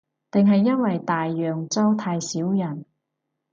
定係因為大洋洲太少人